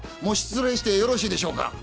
もう失礼してよろしいでしょうか？